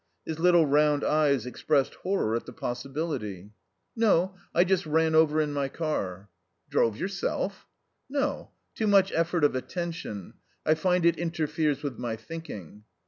His little round eyes expressed horror at the possibility. "No, I just ran over in my car." "Drove yourself?" "No. Too much effort of attention. I find it interferes with my thinking."